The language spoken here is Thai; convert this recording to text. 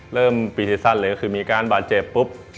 เริ่มปีซีซั่นเลยก็คือมีการบาดเจ็บปุ๊บ